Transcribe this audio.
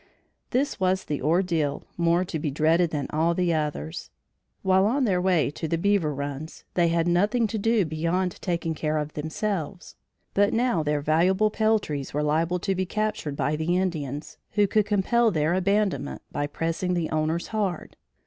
This was the ordeal more to be dreaded than all the others. While on their way to the beaver runs, they had nothing to do beyond taking care of themselves; but now their valuable peltries were liable to be captured by the Indians, who could compel their abandonment by pressing the owners hard.